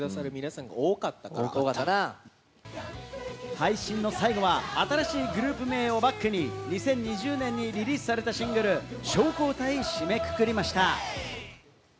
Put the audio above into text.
配信の最後は新しいグループ名をバックに２０２０年にリリースされたシングル『証拠』を歌い、締めくくりました。